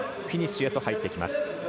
フィニッシュへと入っていきます。